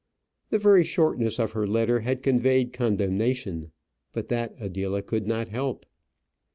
The very shortness of her letter had conveyed condemnation, but that Adela could not help.